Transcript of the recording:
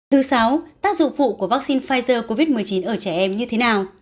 thứ sáu tác dụng phụ của vaccine pfizer covid một mươi chín ở trẻ em như thế nào